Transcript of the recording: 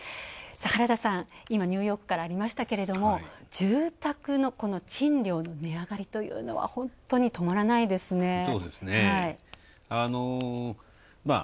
原田さん、今ニューヨークからありましたけれども住宅の、この賃料の値上がりというのは本当に止まらないですね。